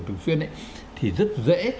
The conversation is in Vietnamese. thường xuyên ấy thì rất dễ